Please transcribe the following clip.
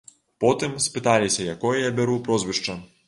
Потым спыталіся, якое я бяру прозвішча.